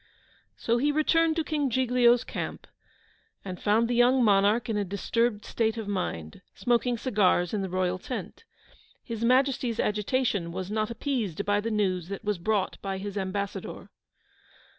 So he returned to King Giglio's camp, and found the young monarch in a disturbed state of mind, smoking cigars in the royal tent. His Majesty's agitation was not appeased by the news that was brought by his ambassador.